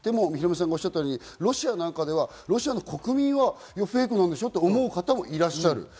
ヒロミさんがおっしゃるようにロシアなんかでは国民はフェイクなんでしょ？と思う方もいらっしゃる。